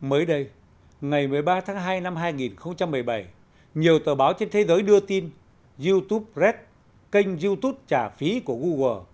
mới đây ngày một mươi ba tháng hai năm hai nghìn một mươi bảy nhiều tờ báo trên thế giới đưa tin youtube kênh youtube trả phí của google